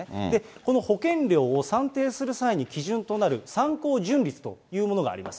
この保険料を算定する際に基準となる参考純率というものがあります。